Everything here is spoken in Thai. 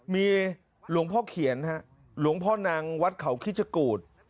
มีหลวงพ่อเขียนฮะหลวงพ่อนังวัดเขาคิชกูธ